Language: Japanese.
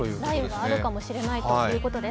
雷雨があるかもしれないということです。